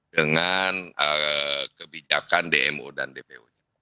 dengan kebijakan dmo dan dpo nya